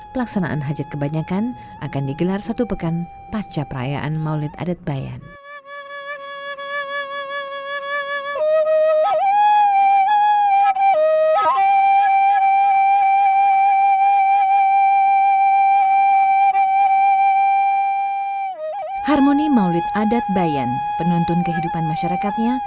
pelaksanaan hajat kebanyakan akan digelar satu pekan pasca perayaan maulid adat bayan